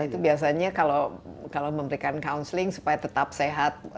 itu biasanya kalau memberikan counseling supaya tetap sehat